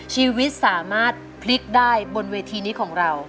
ชีวิตสามารถพลิกได้บนเวทีนี้ของเรา